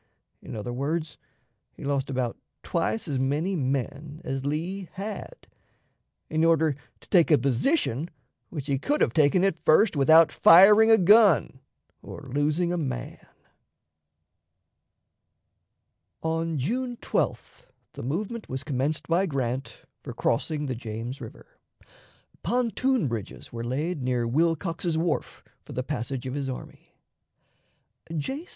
In other words, he lost about twice as many men as Lee had, in order to take a position which he could have taken at first without firing a gun or losing a man." On June 12th the movement was commenced by Grant for crossing the James River. Pontoon bridges were laid near Wilcox's Wharf for the passage of his army. J.